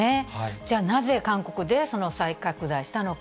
じゃあなぜ韓国では再拡大したのか。